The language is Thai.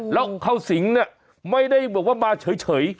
แล้วเข้าสิงเนี่ยไม่ได้บอกว่ามาเฉย